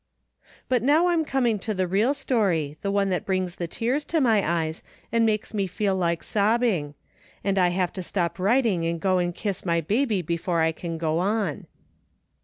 " But now I'm coming to the real story, the one thait brings the tears to my eyes and makes me feel like sobbing; and I have to stop writing and go and kiss my baby before I can go on.